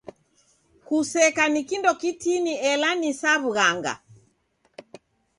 Kuseka ni kindo kitini ela ni sa w'ughanga.